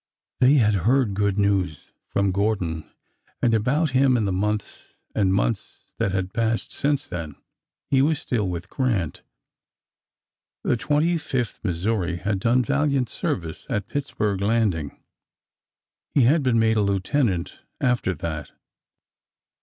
They had heard good news from Gordon and about him in the months and months that had passed since then. He was still with Grant. The Twenty fifth Missouri had done valiant service at Pittsburg Landing. He had been made a lieutenant after that.